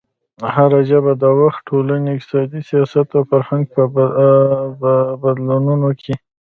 هره ژبه د وخت، ټولنې، اقتصاد، سیاست او فرهنګ په بدلونونو کې